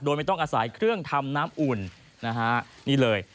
โดยไม่ต้องอาศัยเครื่องทำน้ำอุ่นนะฮะนี่เลย